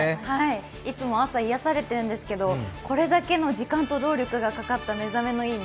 いつも朝癒やされているんですけどこれだけの時間が労力がかかった「目覚めのいい音」